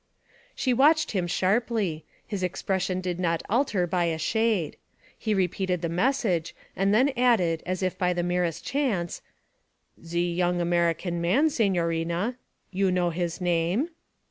She watched him sharply; his expression did not alter by a shade. He repeated the message and then added as if by the merest chance 'Ze yong American man, signorina you know his name?'